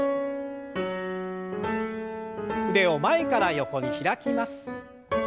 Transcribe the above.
腕を前から横に開きます。